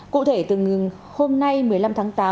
cụ thể từ hôm nay một mươi năm tháng tám